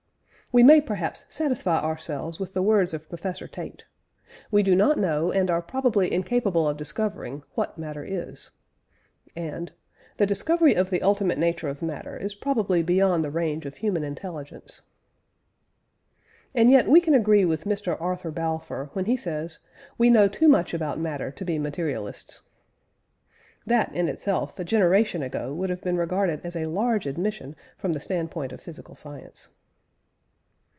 We may, perhaps, satisfy ourselves with the words of Professor Tait: "We do not know, and are probably incapable of discovering, what matter is"; and "The discovery of the ultimate nature of matter is probably beyond the range of human intelligence." And yet we can agree with Mr. Arthur Balfour when he says "we know too much about matter to be materialists." That, in itself, a generation ago would have been regarded as a large admission from the standpoint of physical science.